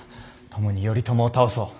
共に頼朝を倒そう。